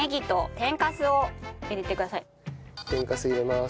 天かす入れます。